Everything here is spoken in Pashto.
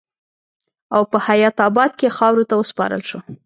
او پۀ حيات اباد کښې خاورو ته وسپارل شو